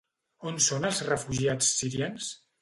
On són els refugiats sirians?